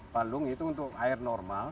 palung itu untuk air normal